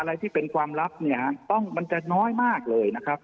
อะไรที่เป็นความลับเนี่ยต้องมันจะน้อยมากเลยนะครับ